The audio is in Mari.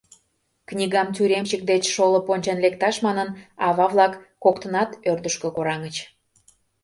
Книгам тюремщик деч шолып ончен лекташ манын, ава-влак коктынат ӧрдыжкӧ кораҥыч.